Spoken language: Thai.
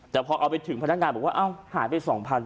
แต่พอเอาไปถึงพนักงานบอกว่าอ้าวหาด้วย๒๐๐๐บาท